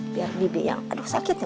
biar bibi yang aduh sakitnya